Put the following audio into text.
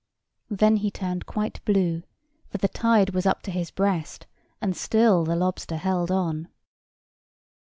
Then he turned quite blue; for the tide was up to his breast, and still the lobster held on.